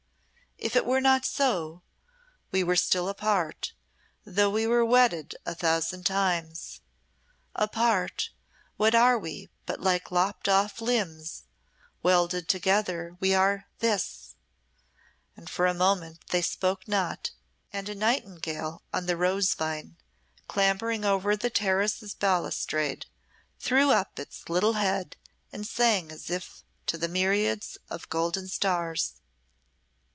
If it were not so, we were still apart, though we were wedded a thousand times. Apart, what are we but like lopped off limbs; welded together, we are this." And for a moment they spoke not, and a nightingale on the rose vine, clambering o'er the terrace's balustrade, threw up its little head and sang as if to the myriads of golden stars.